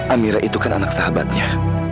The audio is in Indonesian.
amira itu kan anak sahabatnya